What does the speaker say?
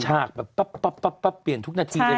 ฉากแบบปั๊บเปลี่ยนทุกนาทีเลย